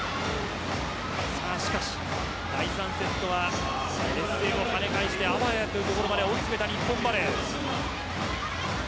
しかし、第３セットは劣勢を跳ね返してあわやというところまで追いついた日本バレー。